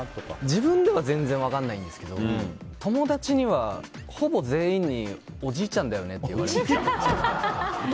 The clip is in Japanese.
自分では全然分からないんですけど友達には、ほぼ全員におじいちゃんだよねって言われますね。